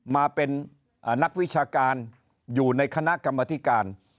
มาเป็นนักวิชาการอยู่ในคณะกรรมธิการ